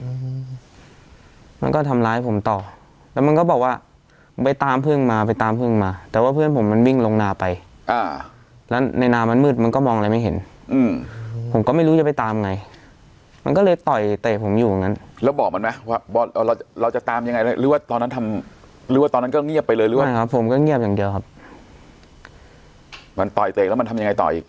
อืมมันก็ทำร้ายผมต่อแล้วมันก็บอกว่าไปตามพึ่งมาไปตามพึ่งมาแต่ว่าเพื่อนผมมันวิ่งลงนาไปอ่าแล้วในนามันมืดมันก็มองอะไรไม่เห็นอืมผมก็ไม่รู้จะไปตามไงมันก็เลยต่อยเตะผมอยู่อย่างงั้นแล้วบอกมันไหมว่าเราเราจะตามยังไงหรือว่าตอนนั้นทำหรือว่าตอนนั้นก็เงียบไปเลยหรือว่าใช่ครับผมก็เงียบอย่างเดียวครับมันต่อยเตะแล้วมันทำยังไงต่ออีก